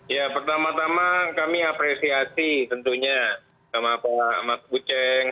ya pertama tama kami apresiasi tentunya sama pak mas buceng